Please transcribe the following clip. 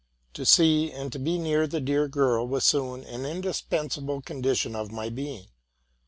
To see and to be near the dear girl was soon an indispensable condition of my being.